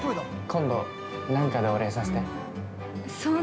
今度、何かでお礼させて！